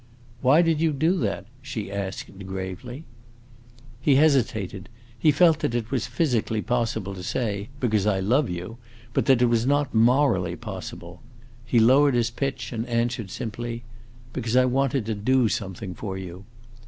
"Why did you do that?" she asked, gravely. He hesitated. He felt that it was physically possible to say, "Because I love you!" but that it was not morally possible. He lowered his pitch and answered, simply, "Because I wanted to do something for you."